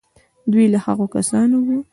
دی له هغو کسانو و.